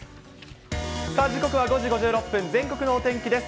時刻は５時５６分、全国のお天気です。